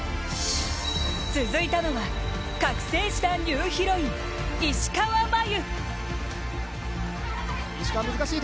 続いたのは覚醒したニューヒロイン・石川真佑。